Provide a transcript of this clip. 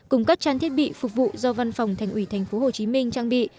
cùng các trang thiết bị phục vụ do văn phòng thành ủy tp hcm trang bị